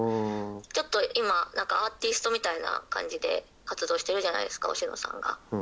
「ちょっと今なんかアーティストみたいな感じで活動してるじゃないですかほしのさんが」